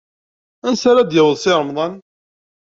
Ansa ara d-yaweḍ Si Remḍan?